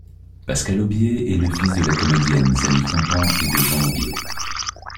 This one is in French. Pascal Aubier est le fils de la comédienne Zanie Campan et de Jean Aubier.